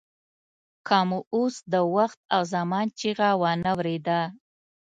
که مو اوس د وخت او زمان چیغه وانه ورېده.